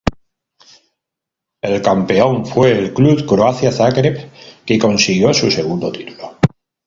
El campeón fue el club Croacia Zagreb que consiguió su segundo título.